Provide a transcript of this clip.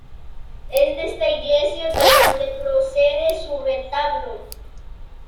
Es de esta iglesia de donde procede su retablo.